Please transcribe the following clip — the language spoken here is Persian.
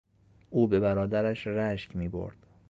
او به برادرش رشک میبرد.